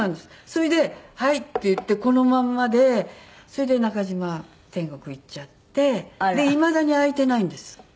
それで「はい」っていってこのまんまでそれで中嶋は天国行っちゃってでいまだに開いてないんです。